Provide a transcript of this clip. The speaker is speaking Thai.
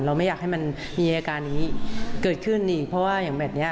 ไม่อยากให้มันมีอาการนี้เกิดขึ้นอีกเพราะว่าอย่างแบบนี้